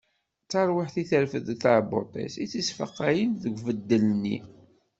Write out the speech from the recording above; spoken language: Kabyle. D tarwiḥt i terfed di tɛebbuṭ-is i tt-yesfaqayen s ubeddel-nni.